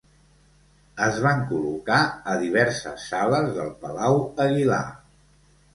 Es van col·locar a diverses sales del Palau Aguilar.